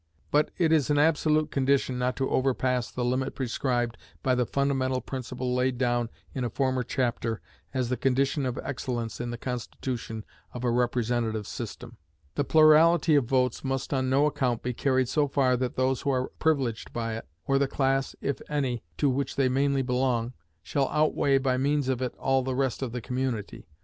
But it is an absolute condition not to overpass the limit prescribed by the fundamental principle laid down in a former chapter as the condition of excellence in the constitution of a representative system. The plurality of votes must on no account be carried so far that those who are privileged by it, or the class (if any) to which they mainly belong, shall outweigh by means of it all the rest of the community.